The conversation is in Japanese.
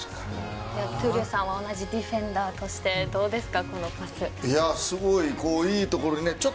闘莉王さんは同じディフェンダーとしてどうですか？